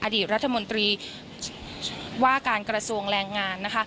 อดีตรัฐมนตรีว่าการกระทรวงแรงงานนะคะ